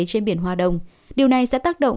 trên biển hoa đông điều này sẽ tác động